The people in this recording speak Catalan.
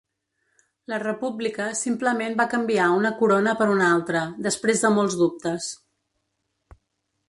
La república simplement va canviar una corona per una altra, després de molts dubtes.